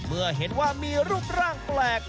เมื่อเห็นว่ามีรูปร่างแปลก